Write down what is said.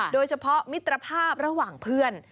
โดยเฉพาะมิตรภาพระหว่างเพื่อน